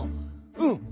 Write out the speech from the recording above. うん」。